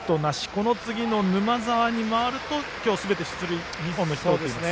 この次の沼澤に回ると今日２本のヒットを打っています。